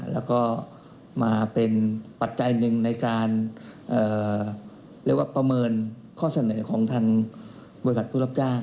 แล้วก็มาเป็นปัจจัยหนึ่งในการเรียกว่าประเมินข้อเสนอของทางบริษัทผู้รับจ้าง